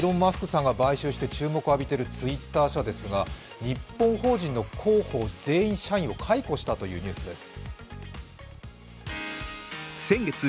さんが買収して注目を集めているＴｗｉｔｔｅｒ社ですが日本法人の広報社員全員を解雇したというニュースです。